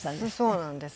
そうなんです。